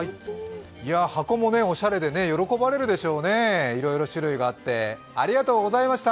箱もおしゃれで喜ばれるでしょうね、いろいろ種類があって。